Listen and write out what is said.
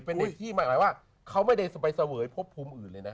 เป็นเด็กที่เขาไม่ได้ไปเสวยภพภูมิอื่นเลยนะ